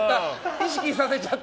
意識させちゃった。